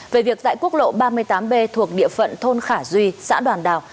về việc tại quốc lộ ba mươi tám b thuộc địa phận thôn khả duy xã đoàn đào